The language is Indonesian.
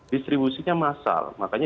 distribusinya massal makanya